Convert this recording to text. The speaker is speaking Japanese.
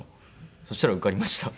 そしたら受かりました。